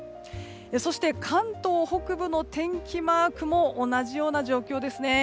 そして関東北部の天気マークも同じような状況ですね。